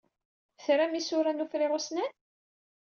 Tram isura n uferriɣ ussnan?